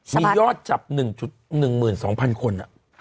มียอดจับ๑๑๒๐๐๐คน